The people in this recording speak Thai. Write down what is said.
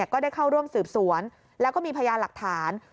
ก็ได้เข้าร่วมสืบสวนแล้วก็มีพยานหลักฐาน